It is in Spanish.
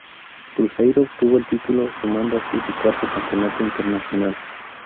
Cruzeiro obtuvo el título, sumando así su cuarto campeonato internacional.